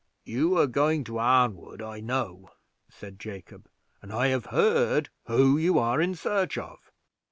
"You are going to Arnwood, I know," said Jacob, "and I have heard who you are in search of.